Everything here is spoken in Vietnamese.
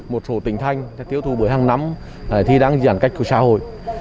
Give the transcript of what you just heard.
một số tỉnh thanh tiêu thụ bưởi hàng năm thì đang giãn cách của xã hội